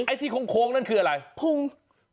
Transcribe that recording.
ไอ้ที่โค้งนั่นคืออะไรพุง